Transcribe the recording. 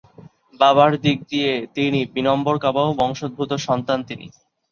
বাবার দিক দিয়ে তিনি মিনম্বরকাবাউ বংশোদ্ভূত সন্তান তিনি।